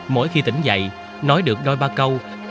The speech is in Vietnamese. mỗi khi tỉnh dậy nói được đôi ba câu